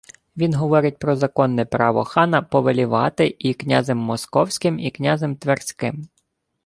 Він говорить про законне право хана повелівати і князем Московським, і князем Тверським